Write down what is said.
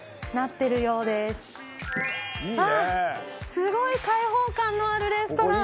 すごい開放感のあるレストラン！